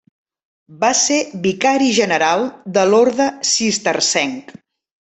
Va ser Vicari General de l'orde cistercenc.